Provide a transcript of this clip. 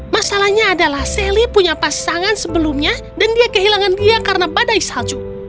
masalahnya adalah sally punya pasangan sebelumnya dan dia kehilangan dia karena badai salju